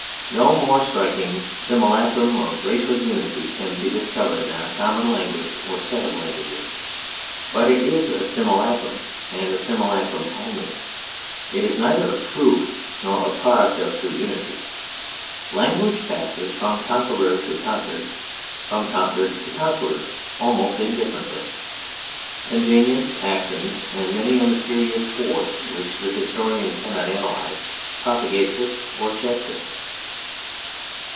No more striking simulacrum of racial unity can be discovered than a common language or set of languages; but it is a simulacrum, and a simulacrum only. It is neither a proof nor a product of true unity. Language passes from conqueror to conquered, from conquered to conqueror, almost indifferently. Convenience, accident, and many a mysterious force which the historian cannot analyze, propagates it, or checks it.